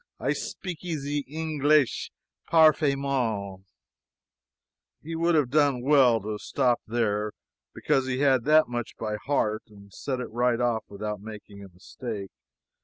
I speaky ze Angleesh pairfaitemaw." He would have done well to have stopped there, because he had that much by heart and said it right off without making a mistake.